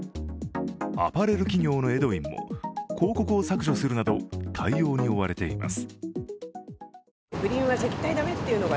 アパレル企業のエドウィンも広告を削除するなど対応に追われています。